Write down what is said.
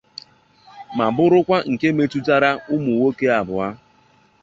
ma bụrụkwa nke metụtara ụmụnwoke abụọ